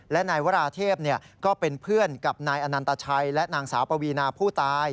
และนายวราเทพก็เป็นเพื่อนกับนายอนันตชัยและนางสาวปวีนาผู้ตาย